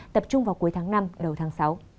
tập trung vào cuối tháng năm đầu tháng sáu